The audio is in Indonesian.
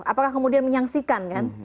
apakah kemudian menyaksikan kan